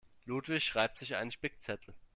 Ludwig schreibt sich einen Spickzettel.